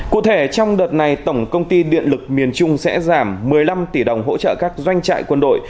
cụ thể trong đợt này tổng công ty điện lực miền trung sẽ giảm một mươi năm tỷ đồng hỗ trợ các doanh trại quân đội